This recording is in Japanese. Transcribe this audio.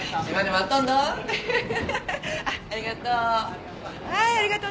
あっありがとう。